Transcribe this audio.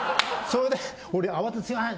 俺、慌ててすみません！